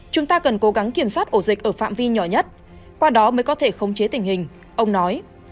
chúng ta cần cố gắng kiểm soát ổ dịch ở phạm vi nhỏ nhất qua đó mới có thể khống chế tình hình ông nói